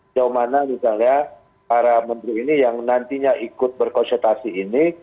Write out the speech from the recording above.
jauh mana misalnya para menteri ini yang nantinya ikut berkonsultasi ini